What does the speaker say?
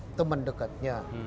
yang tahu teman dekatnya